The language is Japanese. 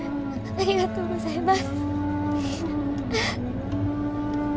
ありがとうございます。